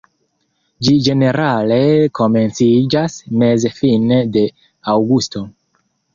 Ĝi ĝenerale komenciĝas meze-fine de aŭgusto.